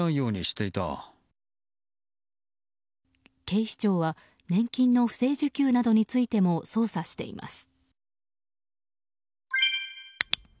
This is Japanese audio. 警視庁は年金の不正受給などについても捜査しています。